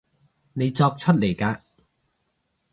你作出嚟嘅